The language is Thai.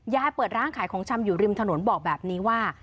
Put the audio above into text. เปิดร้านขายของชำอยู่ริมถนนบอกแบบนี้ว่า